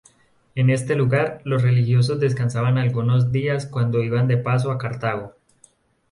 En este lugar, los religiosos descansaban algunos días cuando iban de paso a Cartago.